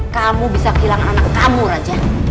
kamu bisa kehilangan anak kamu raja